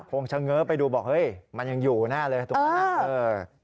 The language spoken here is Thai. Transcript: คงเฉง้อไปดูบอกเฮ้ยมันยังอยู่หน้าเลย